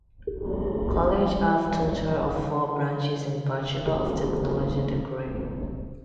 College have total of four branches in Bachelor of Technology degree.